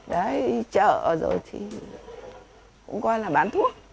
đấy chợ rồi thì cũng coi là bán thuốc